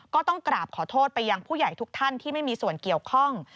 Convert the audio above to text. ก็ต้องกราบขอโทษไปยังผู้ใหญ่ทุกท่านที่ไม่มีส่วนเกี่ยวข้อง